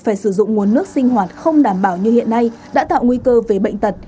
phải sử dụng nguồn nước sinh hoạt không đảm bảo như hiện nay đã tạo nguy cơ về bệnh tật